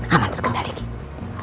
aman terkendali gigi